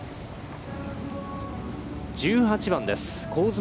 １８番です、香妻